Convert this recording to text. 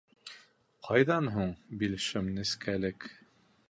Ҡайҙан һуң бил шым нескәлек?